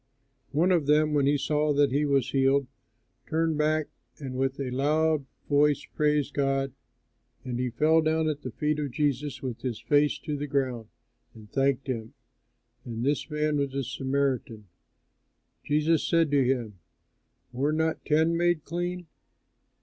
One of them, when he saw that he was healed, turned back, and with a loud voice praised God; and he fell down at the feet of Jesus with his face to the ground and thanked him; and this man was a Samaritan. Jesus said to him, "Were not ten made clean?